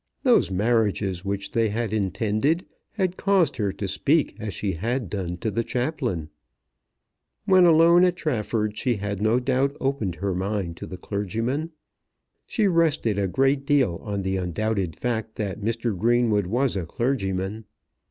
Those marriages which they had intended had caused her to speak as she had done to the chaplain. When alone at Trafford she had no doubt opened her mind to the clergyman. She rested a great deal on the undoubted fact that Mr. Greenwood was a clergyman.